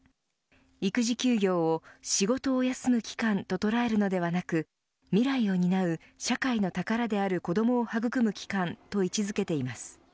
育児休業を、仕事を休む期間と捉えるのではなく未来を担う社会の宝である子どもを育む期間と位置付けています。